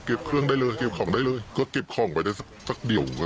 เครื่องได้เลยเก็บของได้เลยก็เก็บของไปได้สักสักเดียว